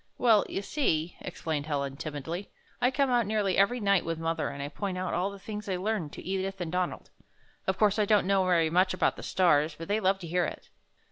"Well, you see," explained Helen, timidly, "I come out nearly every night with mother and I point out all the things I learn to Edith and Donald. Of coui'se I don't know very much about the stars, but they love to hear it."